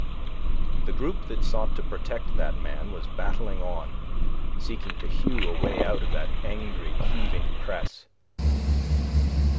The group that sought to protect that man was battling on, seeking to hew a way out of that angry, heaving press.